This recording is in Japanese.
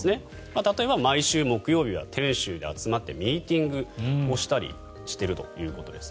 例えば毎週木曜日は店主で集まってミーティングをしたりしているということです。